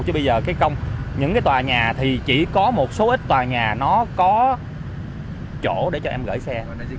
chứ bây giờ cái công những cái tòa nhà thì chỉ có một số ít tòa nhà nó có chỗ để cho em gửi xe